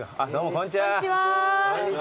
こんにちは。